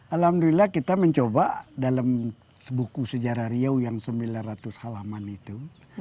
alhamdulillah kita mencoba dalam buku sejarah riau yang sembilan ratus halaman itu